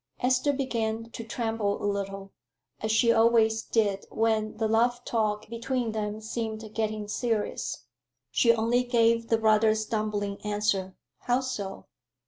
Esther began to tremble a little, as she always did when the love talk between them seemed getting serious. She only gave the rather stumbling answer, "How so?"